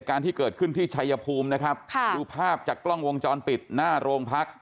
การที่เกิดขึ้นที่ชัยภูมินะครับค่ะดูภาพจากกล้องวงจรปิดหน้าโรงพัก